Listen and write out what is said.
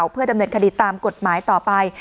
เพื่อดำเนินคดีตามกฎหมายต่อไป